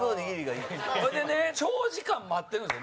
後藤：ほいでね長時間待ってるんですよ。